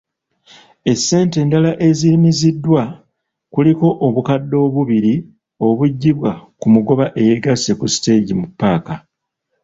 Essente endala eziyimiriziddwa kuliko obukadde obubiri obuggibwa ku mugoba eyeegasse ku siteegi mu ppaaka.